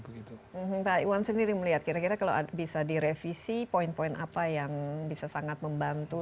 pak iwan sendiri melihat kira kira kalau bisa direvisi poin poin apa yang bisa sangat membantu